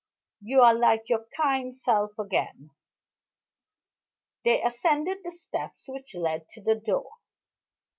"You are like your kind self again." They ascended the steps which led to the door.